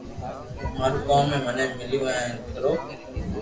مارو ڪوم ھي مني مليو ھي ھين ڪرو